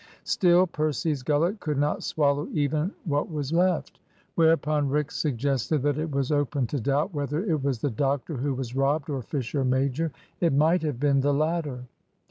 Still Percy's gullet could not swallow even what was left. Whereupon Rix suggested that it was open to doubt whether it was the doctor who was robbed or Fisher major. It might have been the latter.